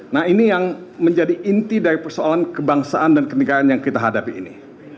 nah ini yang menjadi inti dari persoalan kebangsaan dan kenegaraan yang kita hadapi ini